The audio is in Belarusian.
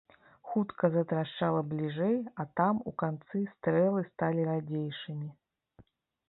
Хутка затрашчала бліжэй, а там, у канцы, стрэлы сталі радзейшымі.